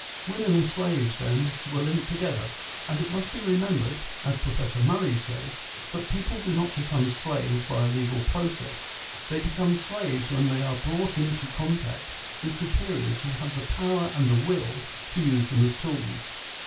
Women and slaves then were linked together ; and it must be remembered, as Professor Murray says, that people do not become slaves by a legal process ; they become slaves when they are brought into contact with superiors who have the power and the will to use them as tools.